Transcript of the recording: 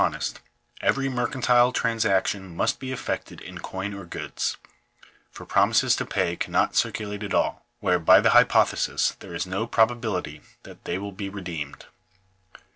897 honest, every mercantile transaction must be effected in coin or goods ; for promises to pay cannot circulate at all, where, by the hypothesis, there is no probability that they will be redeemed.